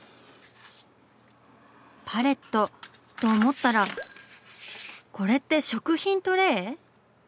パレットと思ったらこれって食品トレー⁉